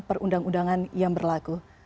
perundang undangan yang berlaku